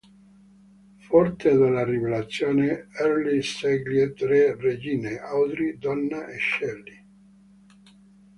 Forte della rivelazione, Earle sceglie tre "Regine": Audrey, Donna e Shelly.